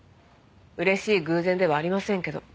嬉しい偶然ではありませんけど。